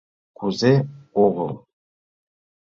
— Кузе огыл?